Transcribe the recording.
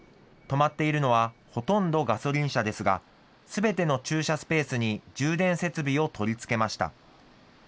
止まっているのはほとんどガソリン車ですが、すべての駐車スペースに充電設備を取り付けました。